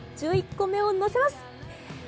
１１個目を乗せます。